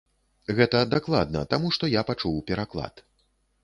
Гэта дакладна, таму што я пачуў пераклад.